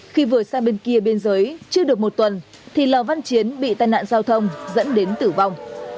khi vừa sang bên kia biên giới chưa được một tuần thì lò văn chiến bị tai nạn giao thông dẫn đến tử vong